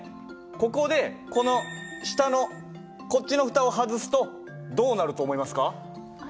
ここでこの下のこっちのふたを外すとどうなると思いますか？